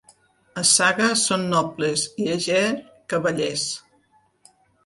A Saga són nobles i a Ger, cavallers.